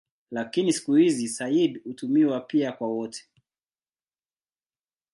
Lakini siku hizi "sayyid" hutumiwa pia kwa wote.